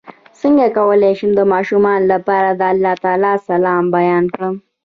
څنګه کولی شم د ماشومانو لپاره د الله تعالی سلام بیان کړم